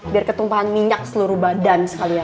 biar ketumpahan minyak seluruh badan sekalian